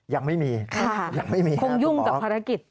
ยังไม่มีครับยังไม่มีครับคุณหมอคงยุ่งกับภารกิจ